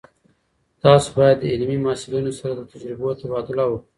تاسو باید د علمي محصلینو سره د تجربو تبادله وکړئ.